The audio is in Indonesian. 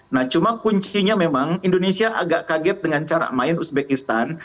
nah cuma kuncinya memang indonesia agak kaget dengan cara main uzbekistan